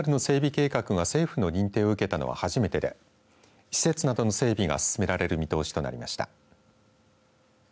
計画が政府の認定を受けたのは初めてで施設などの整備が進められる見通しとなりました。